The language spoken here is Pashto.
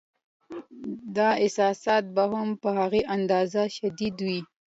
دا احساسات به هم په هغه اندازه شدید وي.